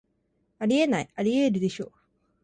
あり得ない、アリエールでしょ